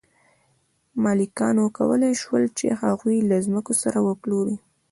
مالکانو کولی شول چې هغوی له ځمکو سره وپلوري.